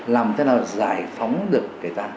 làm thế nào giải phóng được người ta